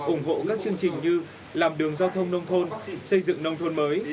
ủng hộ các chương trình như làm đường giao thông nông thôn xây dựng nông thôn mới